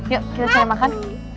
yuk kita cari makan